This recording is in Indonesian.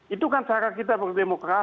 itu kan cara kita berdemokrasi